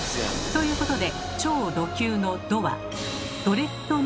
ということで超ド級の。